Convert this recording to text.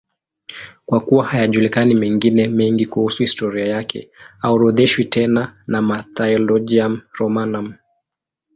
Kwa kuwa hayajulikani mengine mengi kuhusu historia yake, haorodheshwi tena na Martyrologium Romanum.